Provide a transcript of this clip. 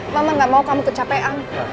mama gak mau kamu kecapean